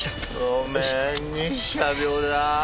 ごめん日射病だぁ。